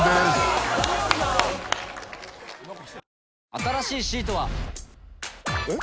新しいシートは。えっ？